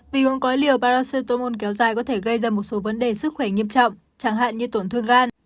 vì uống cói liều paracetomon kéo dài có thể gây ra một số vấn đề sức khỏe nghiêm trọng chẳng hạn như tổn thương gan